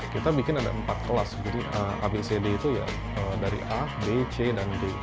kita bikin ada empat kelas jadi abcd itu ya dari a b c dan d